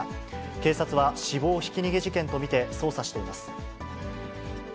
警察は、死亡ひき逃げ事件と見て、捜査しています。